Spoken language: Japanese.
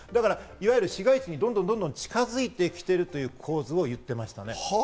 いわゆる市街地にどんどん近づいてきているという構図を言ってましたね。